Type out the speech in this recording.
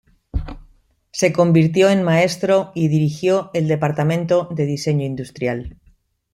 Se convirtió en maestro y dirigió el departamento de diseño industrial.